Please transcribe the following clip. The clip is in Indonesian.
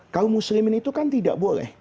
kalau muslimin itu kan tidak boleh